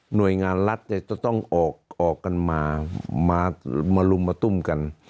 หน่วยงานรัฐจะต้องออกกันมามาลุมมาตุ้มกัน